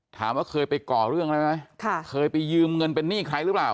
ถามว่าเคยไปก่อเรื่องอะไรไหมเคยไปยืมเงินเป็นหนี้ใครหรือเปล่า